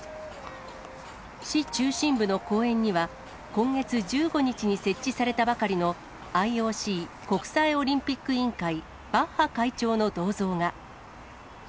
市中心部の公園には、今月１５日に設置されたばかりのＩＯＣ・国際オリンピック委員会、バッハ会長の銅像が。